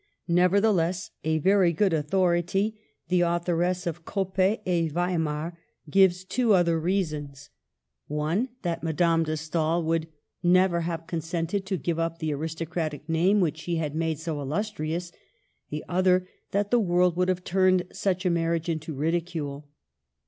Nev ertheless, a very good authority, the authoress of Coppet et Weimar, gives two other reasons : one Digitized by VjOOQLC SECOND MARRIAGE. 165 that Madame de Stael would " never have con sented to give up the aristocratic name which she had made so illustrious "; the other, that the world would have turned such a marriage into ridicule.